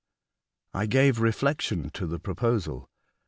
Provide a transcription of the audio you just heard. I gave reflection to the proposal.